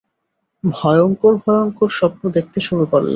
ভয়ংকর ভয়ংকর স্বপ্ন দেখতে শুরু করলাম।